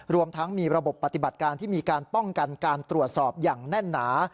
รวมทั้งมีระบบปฏิบัติการที่มีการป้องกันการตรวจสอบอย่างแน่นหนา